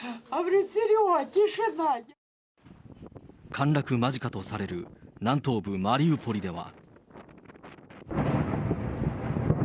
陥落間近とされる南東部マリウポリでは。